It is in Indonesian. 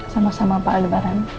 sama sama pak alvaran